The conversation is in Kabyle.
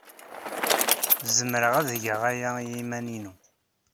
Zemreɣ ad geɣ aya i yiman-inu.